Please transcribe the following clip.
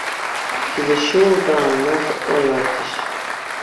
Ҫитес ҫул та ӑна хӑтлӑлатӗҫ.